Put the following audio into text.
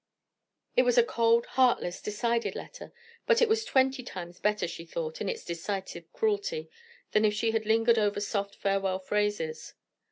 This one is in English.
_" It was a cold, heartless, decided letter; but it was twenty times better, she thought, in its decisive cruelty, than if she had lingered over soft farewell phrases.